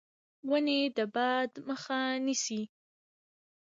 ونې د باد مخه نیسي.